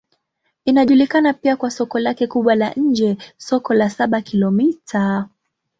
Inajulikana pia kwa soko lake kubwa la nje, Soko la Saba-Kilomita.